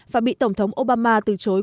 và bị tổng thống obama từ chối